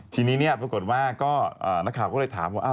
ทีนี้ปรากฏว่าก็นักข่าวก็เลยถามว่า